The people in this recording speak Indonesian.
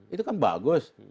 itu kan bagus